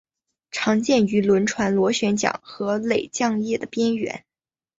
常见于轮船螺旋桨和泵桨叶的边缘。